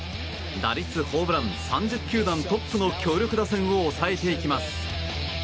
打率、ホームラン３０球団トップの強力打線を抑えていきます。